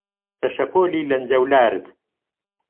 بە شەپۆلی لەنجەولارت